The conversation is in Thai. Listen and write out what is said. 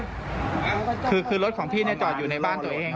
ค่ะคือคือรถของพี่เนี่ยจอดอยู่ในบ้านตัวเอง